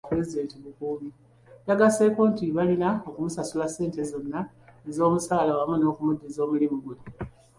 Yagasseeko nti balina okumusasula ssente zonna ez'omusaala wamu n'okumuddiza omulimu gwe.